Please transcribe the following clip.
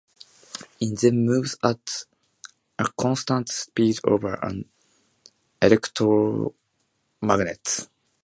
It then moves at a constant speed over an electromagnet.